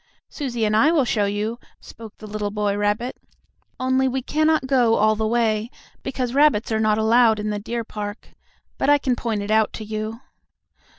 "Susie and I will show you," spoke the little boy rabbit. "Only we cannot go all the way, because rabbits are not allowed in the deer park. But I can point it out to you."